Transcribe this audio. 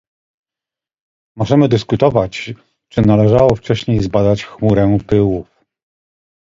Możemy dyskutować, czy należało wcześniej zbadać chmurę pyłów